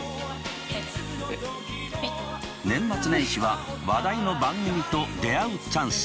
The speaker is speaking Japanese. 年末年始は話題の番組と出会うチャンス。